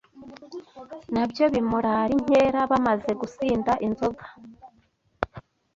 Na byo bimurara inkera bamaze gusinda inzoga